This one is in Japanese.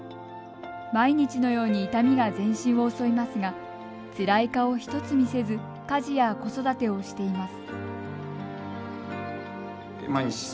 毎日のように痛みが全身を襲いますがつらい顔ひとつ見せず家事や子育てをしています。